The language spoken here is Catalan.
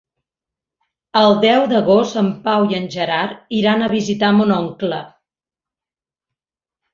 El deu d'agost en Pau i en Gerard iran a visitar mon oncle.